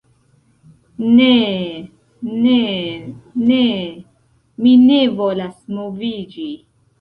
Ne... ne... ne... mi ne volas moviĝi...